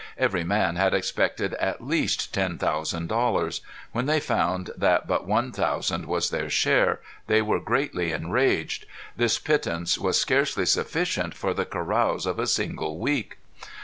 Every man had expected at least ten thousand dollars. When they found that but one thousand was their share they were greatly enraged. This pittance was scarcely sufficient for the carouse of a single week.